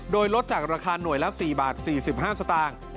โดยลดจากราคาหน่วยละ๔บาท๔๕สตางค์